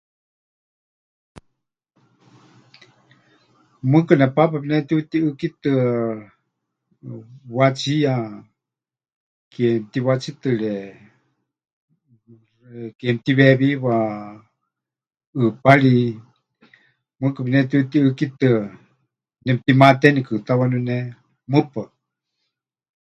Mɨɨkɨ nepaapa pɨneutiutiʼɨkitɨa wátsiya, ke mɨtiwátsitɨre, ke mɨtiweewiwa ʼɨpari, mɨɨkɨ pɨnetiutiʼɨkitɨa nemɨtimaatenikɨ ta waníu ne, mɨpaɨ.